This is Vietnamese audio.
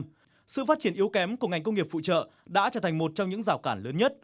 tại việt nam sự phát triển yếu kém của ngành công nghiệp phụ trợ đã trở thành một trong những rào cản lớn nhất